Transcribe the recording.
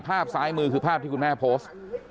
ภาพซ้ายมือคือภาพที่คุณแม่โพสต์